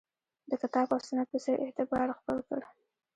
د کتاب او سنت په څېر اعتبار خپل کړ